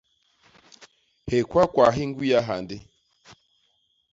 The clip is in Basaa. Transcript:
Hikwakwa hi ñgwiya i hyandi.